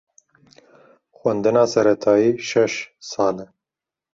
Xwendina seretayî şeş sal e.